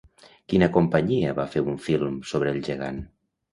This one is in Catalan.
Quina companyia va fer un film sobre el gegant?